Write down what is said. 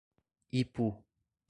Ipu